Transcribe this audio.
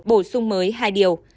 bổ sung mới hai điều